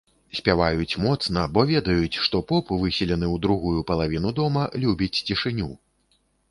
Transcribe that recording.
Спяваюць моцна, бо ведаюць, што поп, выселены ў другую палавіну дома, любіць цішыню.